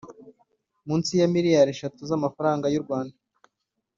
munsi ya miriyari eshatu z amafaranga y u Rwanda